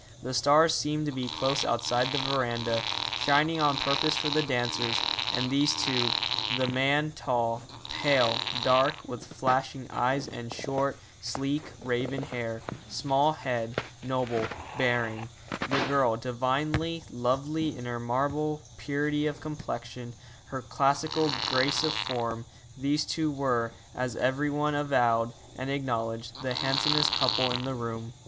The stars seemed to be close outside the verandah, shining on purpose for the dancers; and these two the man tall, pale, dark, with flashing eyes and short, sleek raven hair, small head, noble bearing; the girl divinely lovely in her marble purity of complexion, her classical grace of form these two were, as every one avowed and acknowledged, the handsomest couple in the room.